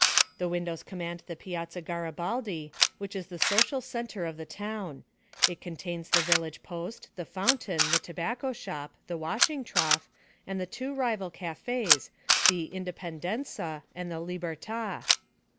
The windows command the Piazza Garibaldi, which is the social centre of the town; it contains the village post, the fountain, the tobacco shop, the washing trough, and the two rival cafés, the 'Independenza' and the 'Libertà.'